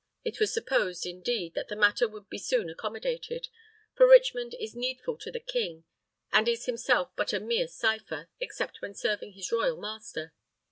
It was supposed, indeed, that the matter would be soon accommodated; for Richmond is needful to the king, and is himself but a mere cipher, except when serving his royal master.